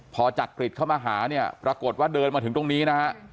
พอจักริตเข้ามาหาเนี่ยปรากฏว่าเดินมาถึงตรงนี้นะฮะ